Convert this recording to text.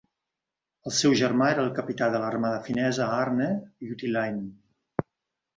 El seu germà era el capità de l'armada finesa Aarne Juutilainen.